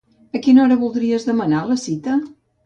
A quina hora voldries demanar la cita?